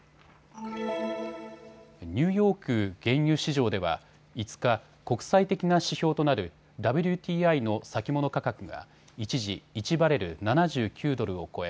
ニューヨーク原油市場では５日、国際的な指標となるＷＴＩの先物価格が一時、１バレル・７９ドルを超え